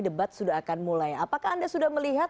debat sudah akan mulai apakah anda sudah melihat